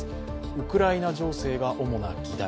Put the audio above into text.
ウクライナ情勢が主な議題。